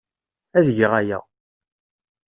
Ad geɣ aya.